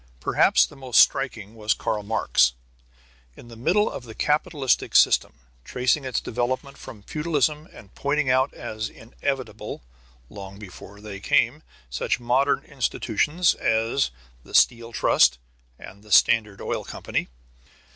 Perhaps the most striking was Karl Marx, in the middle of the capitalistic system tracing its development from feudalism and pointing out as inevitable, long before they came, such modern institutions as the Steel Trust and the Standard Oil Company.